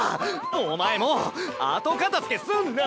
お前もう後片づけすんな！